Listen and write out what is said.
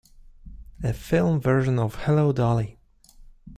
A film version of Hello, Dolly!